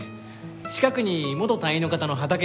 近くに元隊員の方の畑がありますよ。